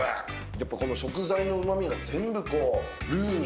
やっぱこの食材のうま味が全部こうルーに。